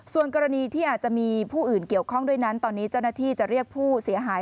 ส่วนกรณีที่อาจจะมีผู้อื่นเกี่ยวข้องด้วยนั้นตอนนี้เจ้าหน้าที่จะเรียกผู้เสียหาย